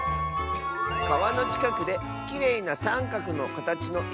「かわのちかくできれいなさんかくのかたちのいしをみつけた！」。